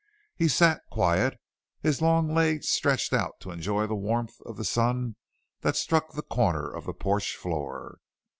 He sat quiet, his long legs stretched out to enjoy the warmth of the sun that struck a corner of the porch floor.